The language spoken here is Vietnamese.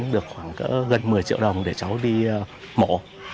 được gần một mươi triệu đồng để cháu đi mổ